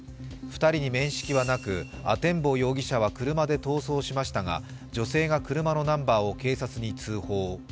２人に面識はなく、阿天坊容疑者は車で逃走しましたが、女性が車のナンバーを警察に通報。